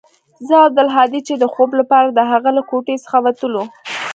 زه او عبدالهادي چې د خوب لپاره د هغه له کوټې څخه وتلو.